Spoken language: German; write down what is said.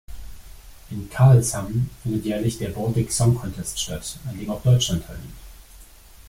In Karlshamn findet jährlich der Baltic Song Contest statt, an dem auch Deutschland teilnimmt.